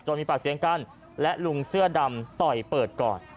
มีปากเสียงกันและลุงเสื้อดำต่อยเปิดก่อน